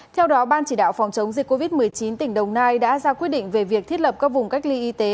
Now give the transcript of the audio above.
theo đó ban chỉ đạo phòng chống dịch covid một mươi chín tỉnh đồng nai đã ra quyết định về việc thiết lập các vùng cách ly y tế